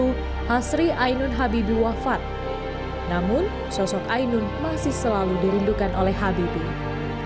hai hasri ainun habibie wafat namun sosok ainun masih selalu dirindukan oleh habibie